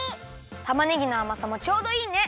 たまねぎのあまさもちょうどいいね！